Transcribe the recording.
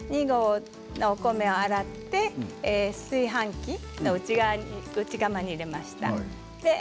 お米を洗って炊飯器の内釜に入れました。